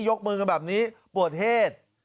ยกมือกันแบบนี้ปวดเหตุ